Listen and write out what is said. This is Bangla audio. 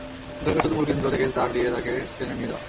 দরকার শুধু মূল কেন্দ্র থেকে তার দিয়ে তাকে টেনে নিয়ে যাওয়া।